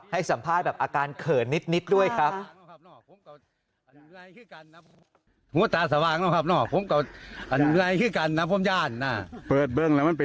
ให้สัมภาษณ์แบบอาการเขินนิดด้วยครับ